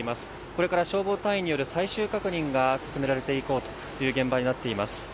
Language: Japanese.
これから消防隊員による最終確認が進められていこうという現場になっています